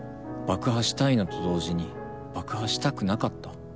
爆破したいのと同時に爆破したくなかった。